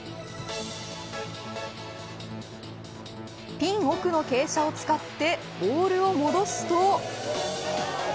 ピン奥の傾斜を使ってボールを戻すと。